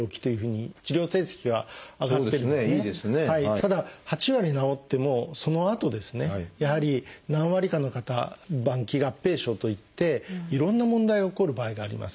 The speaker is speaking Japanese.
ただ８割治ってもそのあとですねやはり何割かの方「晩期合併症」といっていろんな問題が起こる場合があります。